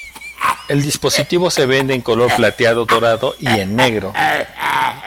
El dispositivo se vende en color Plateado Dorado y en Negro.